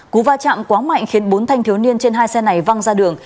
cú va chạm quá mạnh khiến bốn thanh thiếu niên trên hai xe này văng ra đường